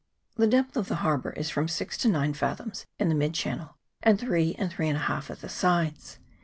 The depth of the harbour is from six to nine fathoms in the mid channel, and three and three and a half at the sides.